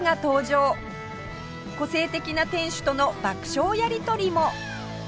個性的な店主との爆笑やり取りも！